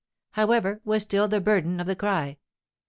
however, was still the burden of the cry.